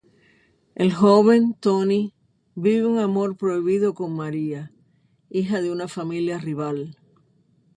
El joven Toni, vive un amor prohibido con Maria, hija de una familia rival.